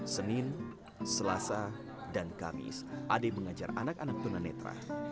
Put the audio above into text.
senin selasa dan kamis adik mengajar anak anak tuan anadra